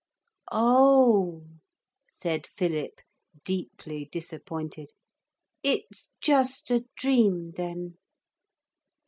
'Oh!' said Philip, deeply disappointed; 'it's just a dream then?'